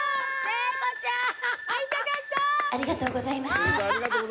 聖子ちゃんありがとうございました。